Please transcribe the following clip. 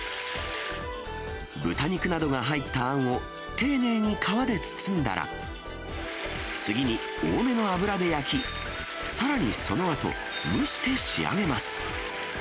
豚肉などが入ったあんを丁寧に皮で包んだら、次に、多めの油で焼き、さらにそのあと、蒸して仕上げます。